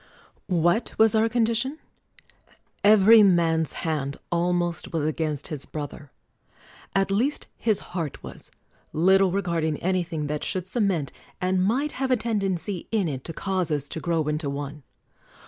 What was our condition? Every man's hand almost was against his brother — at least his heart was, little regarding anything that should ce 119 THE WORLD'S FAMOUS ORATIONS nient, and might have a tendency in it to cause us to grow into one.